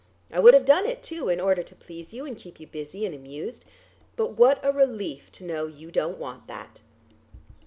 I would have done it too, in order to please you and keep you busy and amused. But what a relief to know you don't want that!"